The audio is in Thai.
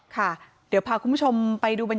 ท่านผู้ชมครับ